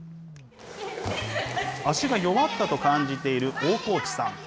足が弱ったと感じている大河内さん。